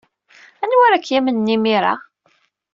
Anwa ara k-yamnen imir-a?